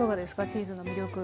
チーズの魅力。